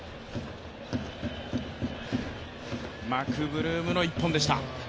マクブルームの１本でした。